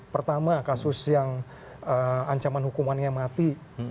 pertama kasus yang ancaman hukumannya mati